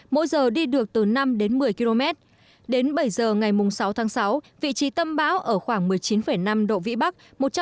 mỗi giờ đi được từ năm đến một mươi km đến bảy giờ ngày sáu tháng sáu vị trí tâm bão ở khoảng một mươi chín năm độ vĩ bắc